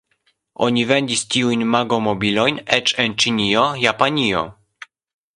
Oni vendis tiujn Magomobil-ojn eĉ en Ĉinio, Japanio.